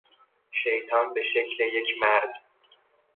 شیطان به شکل یک مرد